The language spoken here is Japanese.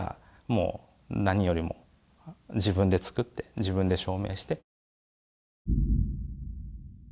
もう何よりも自分で作って自分で証明して。